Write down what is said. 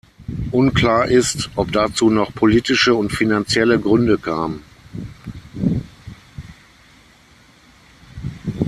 Unklar ist, ob dazu noch politische und finanzielle Gründe kamen.